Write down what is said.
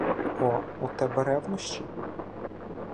О, у тебе ревнощі?